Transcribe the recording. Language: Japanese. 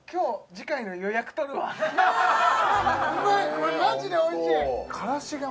これマジで美味しい！